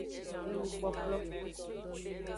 Enukplokplo.